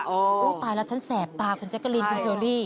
ตายแล้วฉันแสบตาคุณแจ๊กกะลีนคุณเชอรี่